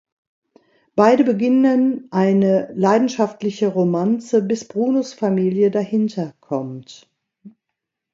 Beide beginnen eine leidenschaftliche Romanze bis Brunos Familie dahinter kommt.